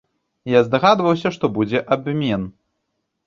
Я здагадваўся, што будзе абмен.